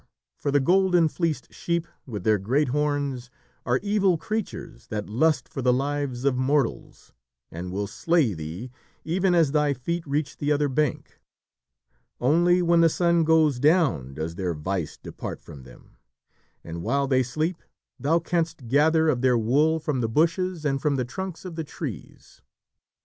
for the golden fleeced sheep, with their great horns, are evil creatures that lust for the lives of mortals, and will slay thee even as thy feet reach the other bank. Only when the sun goes down does their vice depart from them, and while they sleep thou canst gather of their wool from the bushes and from the trunks of the trees."